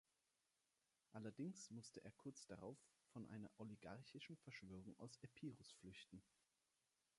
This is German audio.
Allerdings musste er kurz darauf vor einer oligarchischen Verschwörung aus Epirus flüchten.